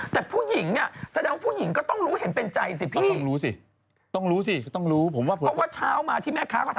แต่ผู้หญิงเนี่ยแสดงว่าผู้หญิงก็ต้องรู้เห็นเป็นใจสิพี่